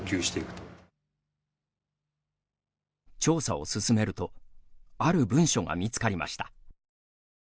調査を進めるとある文書が見つかりました。